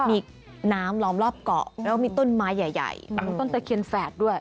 มีน้ำล้อมรอบเกาะแล้วมีต้นไม้ใหญ่มีต้นตะเคียนแฝดด้วย